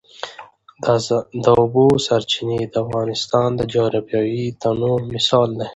د اوبو سرچینې د افغانستان د جغرافیوي تنوع مثال دی.